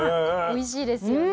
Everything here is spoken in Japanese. おいしいですよね。